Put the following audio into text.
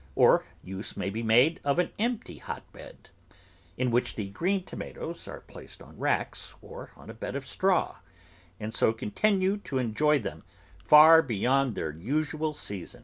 Or use may be made of an empty hotbed, in which the green tomatoes are placed on racks or on a bed of straw, and so con tinue to enjoy them far beyond their usual season.